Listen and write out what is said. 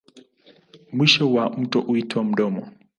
Mwisho wa mto huitwa mdomo.